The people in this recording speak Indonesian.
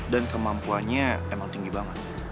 dan kemampuannya emang tinggi banget